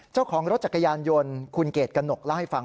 เจ้าของรถจักรยานยนต์คุณเกรดกระหนกเล่าให้ฟัง